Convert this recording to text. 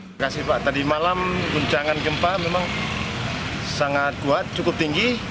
terima kasih pak tadi malam guncangan gempa memang sangat kuat cukup tinggi